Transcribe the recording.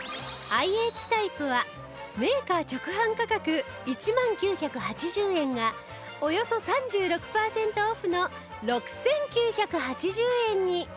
ＩＨ タイプはメーカー直販価格１万９８０円がおよそ３６パーセントオフの６９８０円に